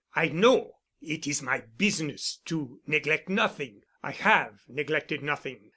I know. It is my business to neglect nothing. I have neglected nothing.